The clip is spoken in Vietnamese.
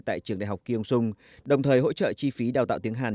tại trường đại học kiêung sung đồng thời hỗ trợ chi phí đào tạo tiếng hàn